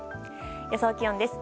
予想気温です。